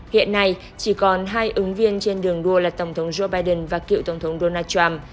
hiện nay chỉ còn hai ứng viên trên đường đua là tổng thống joe biden và cựu tổng thống donald trump